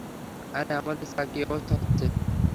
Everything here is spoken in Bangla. আরে, আমাদের ছাড়া কি অবস্থা হচ্ছে?